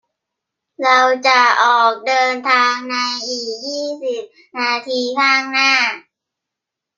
เราจะออกเดินทางในอีกยี่สิบนาทีข้างหน้า